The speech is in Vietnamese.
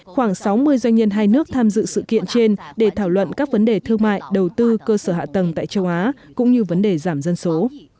khoảng sáu mươi doanh nhân hai nước tham dự sự kiện trên để thảo luận các vấn đề thương mại đầu tư cơ sở hạ tầng tại châu á cũng như vấn đề giảm dân số